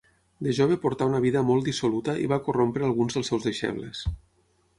De jove portà una vida molt dissoluta i va corrompre alguns dels seus deixebles.